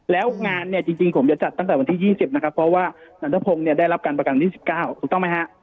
แล้วงานเนี่ยจริงผมจะจัดตั้งแต่วันที่๒๐นะครับเพราะว่านันทพงศ์เนี่ยได้รับการประกัน๒๙ถูกต้องไหมฮะ